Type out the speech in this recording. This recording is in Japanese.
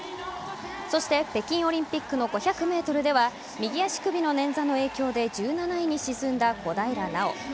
そして北京オリンピックの５００ｍでは右足首の捻挫の影響で１７位に沈んだ小平奈緒。